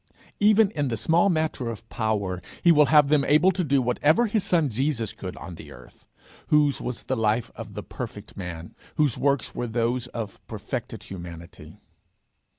Even in the small matter of power, he will have them able to do whatever his Son Jesus could on the earth, whose was the life of the perfect man, whose works were those of perfected humanity.